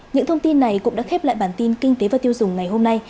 những thông tin này cũng đã khép lại bản tin kinh tế và tiêu dùng ngày hôm nay